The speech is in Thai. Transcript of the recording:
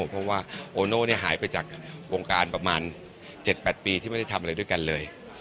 เพราะว่าโอโน่หายไปจากวงการประมาณ๗๘ปีที่ไม่ได้ทำอะไรด้วยกันเลย